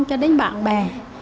cho đến bạn bè